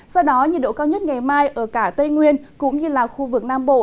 do đó nhiệt độ cao nhất ngày mai ở cả tây nguyên cũng như là khu vực nam bộ